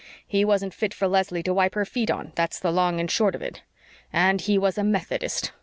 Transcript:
He wasn't fit for Leslie to wipe her feet on, that's the long and short of it. And he was a Methodist!